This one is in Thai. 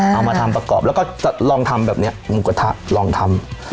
เอามาทำประกอบแล้วก็จะลองทำแบบนี้หมูกระทะลองทำ